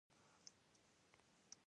زمری یو ښه حیوان ده